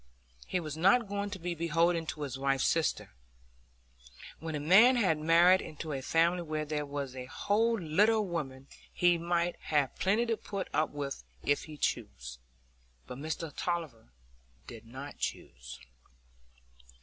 He was not going to be beholden to his wife's sisters. When a man had married into a family where there was a whole litter of women, he might have plenty to put up with if he chose. But Mr Tulliver did not choose.